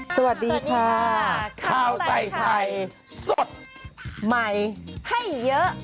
สวัสดีค่ะข้าวใส่ไข่สดใหม่ให้เยอะ